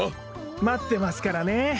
まってますからね。